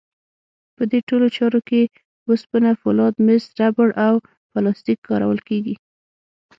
په دې ټولو چارو کې وسپنه، فولاد، مس، ربړ او پلاستیک کارول کېږي.